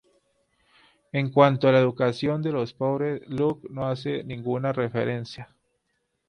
En cuanto a la educación de los pobres, Locke no hace ninguna referencia".